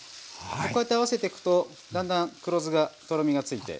こうやって合わせていくとだんだん黒酢がとろみがついて。